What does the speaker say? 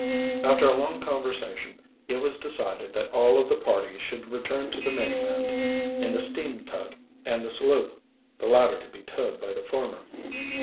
After a long conversation it was decided that all of the party should return to the mainland in the steam tug and the sloop, the latter to be towed by the former.